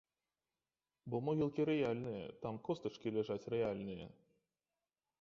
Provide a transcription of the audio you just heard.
Бо могілкі рэальныя, там костачкі ляжаць рэальныя.